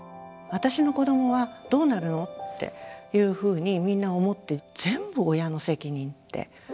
私の子どもはどうなるのっていうふうにみんな思って全部親の責任っていうふうになっていって。